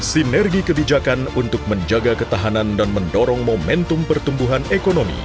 sinergi kebijakan untuk menjaga ketahanan dan mendorong momentum pertumbuhan ekonomi